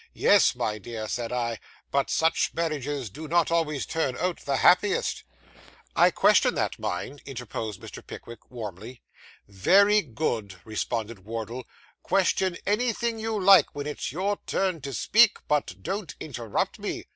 "Yes, my dear," said I, "but such marriages do not always turn out the happiest."' 'I question that, mind!' interposed Mr. Pickwick warmly. 'Very good,' responded Wardle, 'question anything you like when it's your turn to speak, but don't interrupt me.